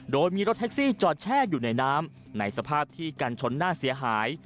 โดยมีรถแท็กซี่จอดแช่อยู่ในน้ำในสภาพที่กันชนหน้าเสียหาย